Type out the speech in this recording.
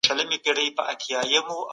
ایا ستا کمپیوټر په نوي میاشت کي اپډیټ سوی؟